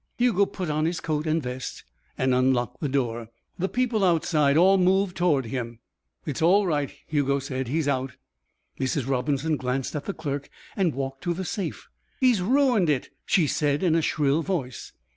Hugo put on his coat and vest and unlocked the door. The people outside all moved toward him. "It's all right," Hugo said. "He's out." Mrs. Robinson glanced at the clerk and walked to the safe. "He's ruined it!" she said in a shrill voice.